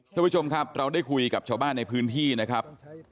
ท่านผู้ชมครับเราได้คุยกับชาวบ้านในพื้นที่นะครับ